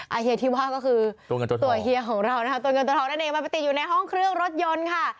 อาเฮียที่ว่าก็คือตัวเงินตัวทองตัวเงินตัวทองนั่นเองมันปกติอยู่ในห้องเครื่องรถยนต์ค่ะ